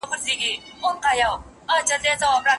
آيا د خاوند خدمت کول د ميرمني مسئوليت دی؟